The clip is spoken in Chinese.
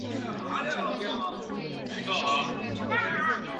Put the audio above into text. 权力集中于国民议会。